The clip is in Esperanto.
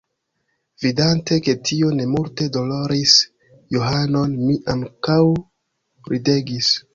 Vidante ke tio ne multe doloris Johanon, mi ankaŭ ridegis.